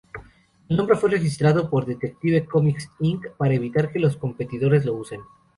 El nombre fue registrado por Detective Comics, Inc.para evitar que los competidores lo usen.